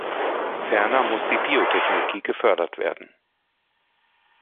Ferner muss die Biotechnologie gefördert werden.